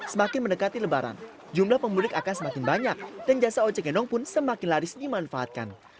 semakin mendekati lebaran jumlah pemudik akan semakin banyak dan jasa ojek gendong pun semakin laris dimanfaatkan